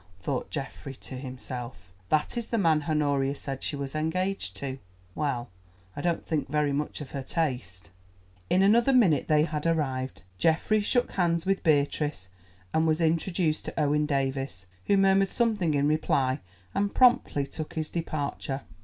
thought Geoffrey to himself, "that is the man Honoria said she was engaged to. Well, I don't think very much of her taste." In another minute they had arrived. Geoffrey shook hands with Beatrice, and was introduced to Owen Davies, who murmured something in reply, and promptly took his departure.